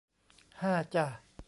ห้าจ้ะ